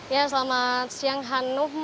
ya selamat siang hanum